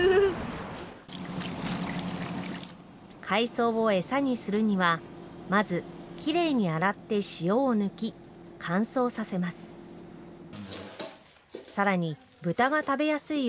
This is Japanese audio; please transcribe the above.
海藻を餌にするには、まずきれいに洗って塩を抜き、乾燥させます。